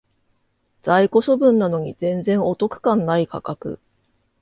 在庫処分なのに全然お得感ない価格